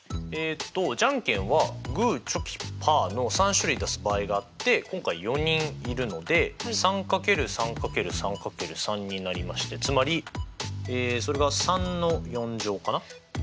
じゃんけんはグーチョキパーの３種類出す場合があって今回４人いるので３×３×３×３になりましてつまりそれが３の４乗かな。ですね。